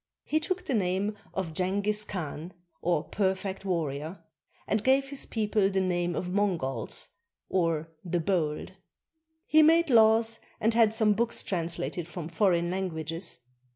He took the name of Jenghiz Khan, or " perfect warrior," and gave his people the name of Mongols, or "the bold." He made laws and had some books translated from foreign languages.